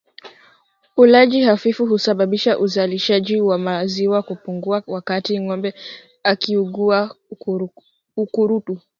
Ulaji hafifu husababisha uzalishaji wa maziwa kupungua wakati ngombe akiugua ukurutu